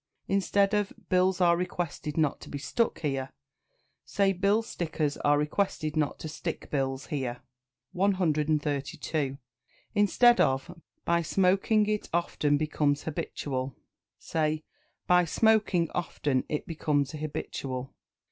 Instead of "Bills are requested not to be stuck here," say "Billstickers are requested not to stick bills here." 132. Instead of "By smoking it often becomes habitual," say "By smoking often it becomes habitual."